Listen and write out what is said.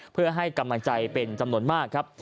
เพื่อให้กำลังใจเป็นจำนวนมากครับ